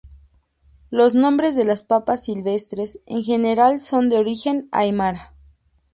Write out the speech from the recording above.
Los nombres de las papas silvestres en general son de origen aymara.